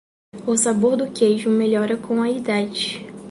O sabor do queijo melhora com a idade.